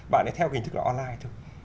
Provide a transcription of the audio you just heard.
bạn ấy theo kinh tức là online thôi